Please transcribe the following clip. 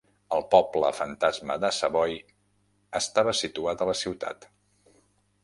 El poble fantasma de Savoy estava situat a la ciutat.